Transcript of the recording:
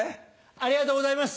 ありがとうございます。